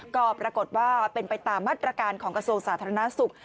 ก็ปรากฏว่าเป็นไปตามมาตรการของกระทรวงสาธารณสุข